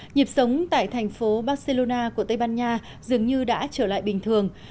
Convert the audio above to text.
nhịp sống tại thành phố barcelona của tây ban nha dường như đã trở lại bình thường